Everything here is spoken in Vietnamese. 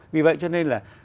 vì vậy cho nên là